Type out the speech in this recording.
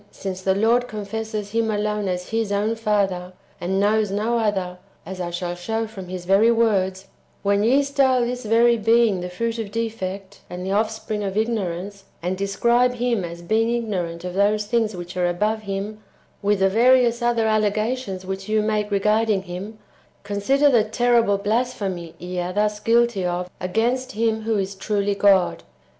223 the Lord confesses Him alone as His own Father, and knows no other, as I shall show from His very words, — when ye style this very Being the fruit of defect, and the offspring of ignorance, and describe Him as being ignorant of those things which are above Him, with the various other allega tions which you make regarding Him, — consider the terrible blasphemy [ye are thus guilty of] against Him who truly is God.